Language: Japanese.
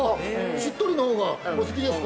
◆しっとりのほうがお好きですか。